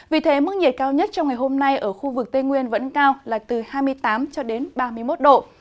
vì thế mức nhiệt cao nhất trong ngày hôm nay ở khu vực tây nguyên vẫn cao là từ hai mươi tám cho đến ba mươi một độ